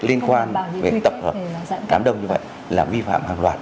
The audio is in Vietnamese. liên quan về tập hợp đám đông như vậy là vi phạm hàng loạt